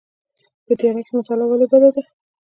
په تیاره کې مطالعه ولې بده ده؟